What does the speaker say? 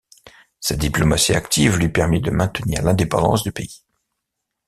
Sa diplomatie active lui permit de maintenir l'indépendance du pays.